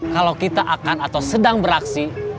kalau kita akan atau sedang beraksi